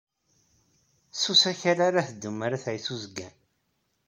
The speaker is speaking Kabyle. S usakal ara teddum ɣer At Ɛisa Uzgan?